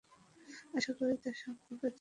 আশা করি তার সম্পর্কে জানো।